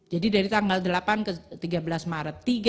jadi dari tanggal delapan ke tiga belas maret